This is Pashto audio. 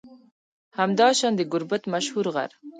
همداشان د گربت مشهور غر